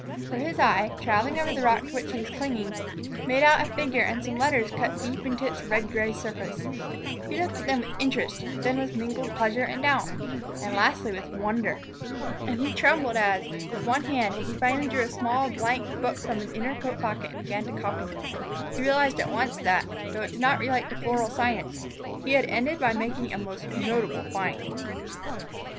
For his eye, traveling over the rock to which he was clinging, made out a figure and some letters cut deep into its red gray surface. He looked at them with interest, then with mingled pleasure and doubt, and lastly with wonder. And he trembled as, with one hand, he finally drew a small blank book from an inner coat pocket and began to copy. He realized at once that, though it did not relate to floral science, he had ended by making a most notable find.